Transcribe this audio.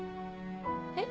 えっ？